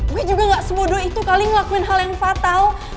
gue juga gak sebodoh itu kali ngelakuin hal yang fatal